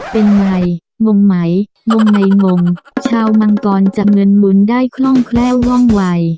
เป็นไงงงไหมงในงงชาวมังกรจะเงินบุญได้คล่องแคล่วว่องวัย